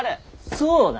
そうだ。